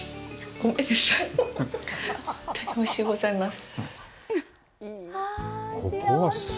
ほんとにおいしゅうございます。